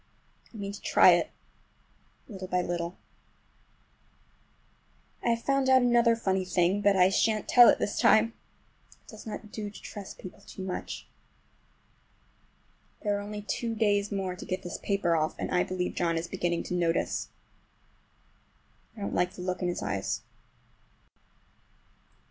I mean to try it, little by little. I have found out another funny thing, but I shan't tell it this time! It does not do to trust people too much. There are only two more days to get this paper off, and I believe John is beginning to notice. I don't like the look in his eyes.